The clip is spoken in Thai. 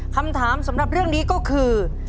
คำถามสำหรับเรื่องนี้ก็คือ